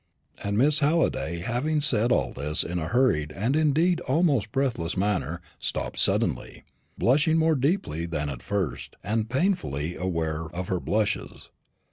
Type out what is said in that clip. And Miss Halliday having said all this in a hurried and indeed almost breathless manner, stopped suddenly, blushing more deeply than at first, and painfully aware of her blushes.